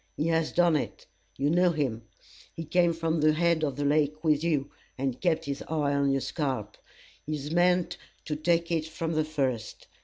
He has done it. You know him. He came from the head of the lake with you, and kept his eye on your scalp. He has meant to take it from the first.